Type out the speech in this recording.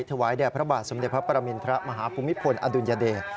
ถวายแด่พระบาทสมเด็จพระปรมินทรมาฮภูมิพลอดุลยเดช